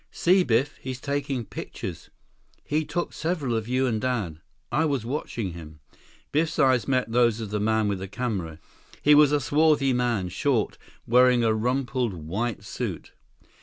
"See, Biff, he's taking pictures. He took several of you and Dad. I was watching him." Biff's eyes met those of the man with the camera. He was a swarthy man, short, wearing a rumpled white suit.